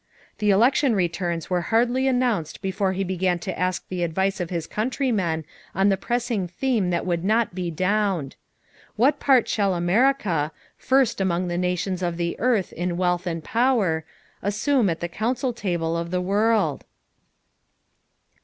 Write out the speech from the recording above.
The election returns were hardly announced before he began to ask the advice of his countrymen on the pressing theme that would not be downed: "What part shall America first among the nations of the earth in wealth and power assume at the council table of the world?"